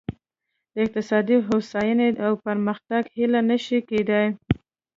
د اقتصادي هوساینې او پرمختګ هیله نه شي کېدای.